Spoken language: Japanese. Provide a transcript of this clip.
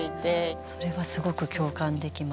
それはすごく共感できます。